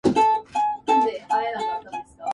石川県能美市